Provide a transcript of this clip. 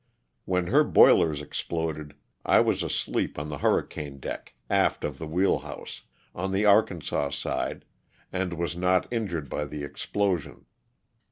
When her boilers exploded I was asleep on the hurricane deck, aft of the wheel house, on the Arkansas side, and was not injured by the explosion.